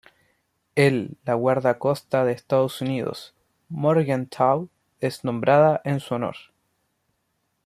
El la Guarda costa de Estados Unidos "Morgenthau" es nombrada en su honor.